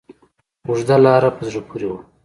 اوږده لاره په زړه پورې وه.